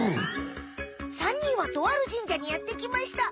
３にんはとあるじんじゃにやってきました。